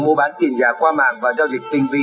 mua bán tiền giả qua mạng và giao dịch tinh vi